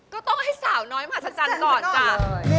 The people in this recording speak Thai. ก็ต้องให้สาวน้อยมาจัดจันก่อนจ้าจริงก่อนดี